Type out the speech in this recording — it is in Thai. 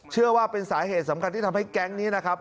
เชื่อว่าเป็นสาเหตุสำคัญที่ทำให้แก๊งนี้นะครับ